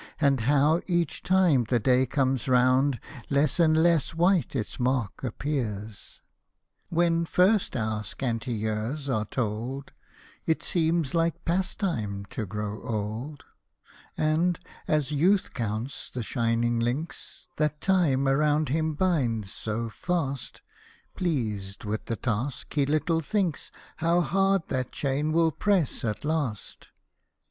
And how, each time the day comes round, Less and less white its mark appears ! Hosted by Google MISCELLANEOUS POEMS When first our scanty years are told, It seems like pastime to grow old ; And, as Youth counts the shining links, That Time around him binds so fast, Pleased with the task, he httle thinks How hard that chain will press at last.